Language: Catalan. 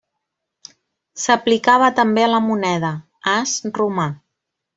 S'aplicava també a la moneda, as romà.